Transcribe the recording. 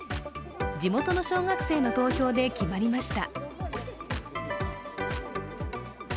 地元の小学生の投票で決まりました。